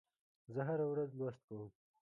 زه هره ورځ لوست کوم.